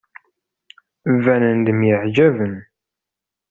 Banen-d myeɛjaben.